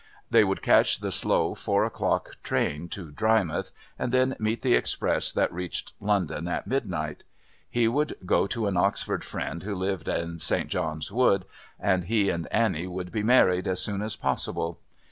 They would catch the slow four o'clock train to Drymouth and then meet the express that reached London at midnight. He would go to an Oxford friend who lived in St. John's Wood, and he and Annie would be married as soon as possible.